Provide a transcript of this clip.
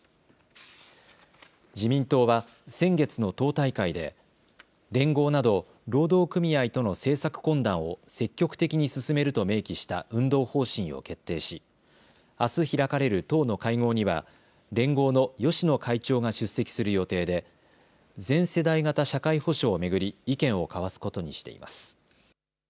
自民党は先月の党大会で連合など労働組合との政策懇談を積極的に進めると明記した運動方針を決定しあす開かれる党の会合には連合の芳野会長が出席する予定で全世代型社会保障を巡り意見を交わすことにしています。